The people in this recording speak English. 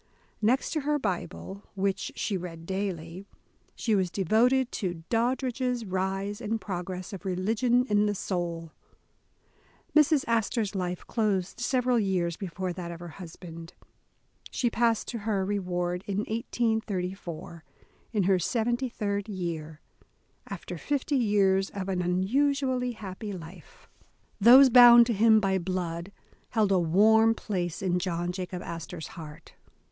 Next to her Bible, which she read daily, she was devoted to "Doddridge's Rise and Progress of Religion in the Soul." Mrs. Astor 's life closed several years before that of her husband. She passed to her reward in 1834, in her seventy third year, after fifty years of an unusually happy life. 251 The Original John Jacob Astor Those bound to him by blood held a warm place in John Jacob Astor 's heart.